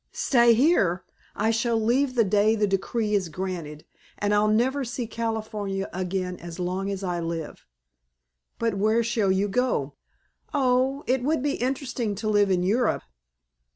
"Stay here! I shall leave the day the decree is granted, and I'll never see California again as long as I live." "But where shall you go?" "Oh it would be interesting to live in Europe."